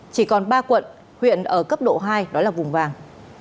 chỉ còn ba quận huyện ở cấp độ hai đó là vùng vàng